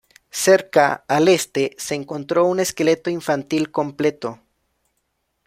Cerca, al este se encontró un esqueleto infantil completo.